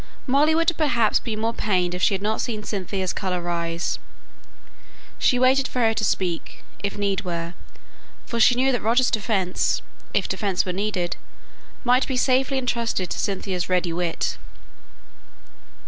Molly would perhaps have been more pained if she had not seen Cynthia's colour rise. She waited for her to speak, if need were; for she knew that Roger's defence, if defence were required, might be safely entrusted to Cynthia's ready wit.